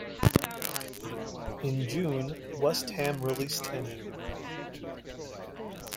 In June, West Ham released him.